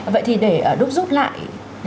vậy thì để đúc rút lại